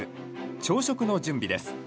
朝食の準備です。